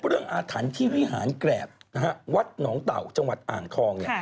พบเรื่องอาถรรพ์ที่วิหารแกรบวัดหนองเต่าจังหวัดอ่างทอง